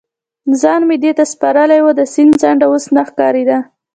ځان مې دې ته سپارلی و، د سیند څنډه اوس نه ښکارېده.